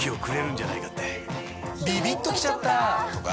ビビッときちゃった！とか